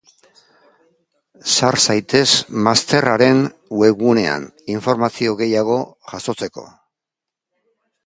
Sar zaitez masterraren webgunean informazio gehiago jasotzeko.